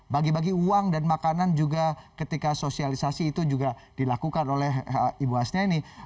bagi bagi uang dan makanan juga ketika sosialisasi itu juga dilakukan oleh ibu hasna ini